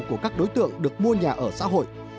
của các đối tượng được mua nhà ở xã hội